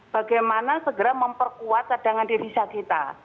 bagaimana segera memperkuat cadangan devisa kita